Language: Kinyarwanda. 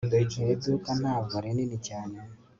Iri duka ntabwo rinini cyane